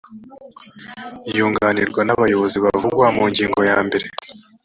yunganirwa n abayobozi bavugwa mu ngingo yambere